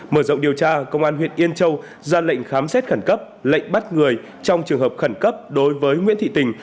mở rộng điều tra công an huyện yên châu ra lệnh khám xét khẩn cấp lệnh bắt người trong trường hợp khẩn cấp đối với nguyễn thị tình